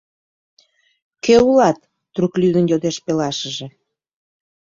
— Кӧ улат? — трук лӱдын йодеш пелашыже.